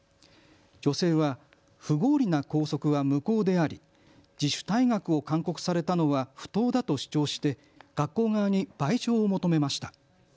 女性は不合理な校則は無効であり自主退学を勧告されたのは不当だと主張して学校側に賠償を求めました。